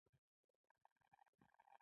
امنیت څنګه پرمختګ راوړي؟